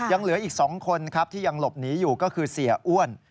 ยังเหลืออีก๒คนครับที่ยังหลบหนีอยู่ก็คือเสียอ้วน